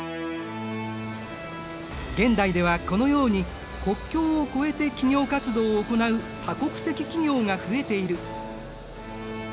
現代ではこのように国境を越えて企業活動を行う多国籍企業が増えている。